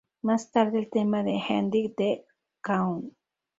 Más tarde, el tema del Ending de K-On!